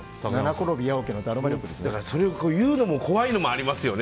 それを言うのを怖いのもありますよね。